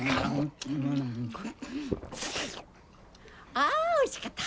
あおいしかった！